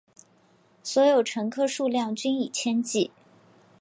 所有乘客数量均以千计。